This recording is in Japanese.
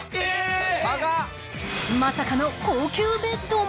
まさかの高級ベッドも